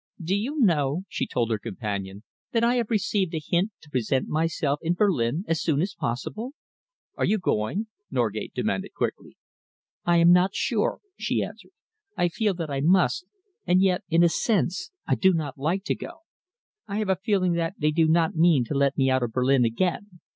"Do you know," she told her companion, "that I have received a hint to present myself in Berlin as soon as possible?" "Are you going?" Norgate demanded quickly. "I am not sure," she answered. "I feel that I must, and yet, in a sense, I do not like to go. I have a feeling that they do not mean to let me out of Berlin again.